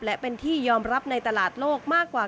และเป็นที่ยอมรับในตลาดโลกมากกว่า